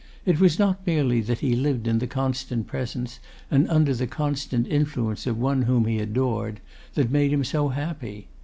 It was not merely that he lived in the constant presence, and under the constant influence of one whom he adored, that made him so happy.